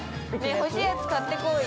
◆欲しいやつ買ってこうよ。